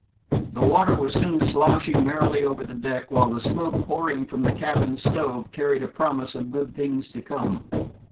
The water was soon slushing merrily over the deck, while the smoke pouring from the cabin stove carried a promise of good things to come.